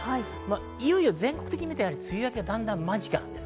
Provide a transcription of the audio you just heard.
いよいよ全国的に見て、梅雨明け間近です。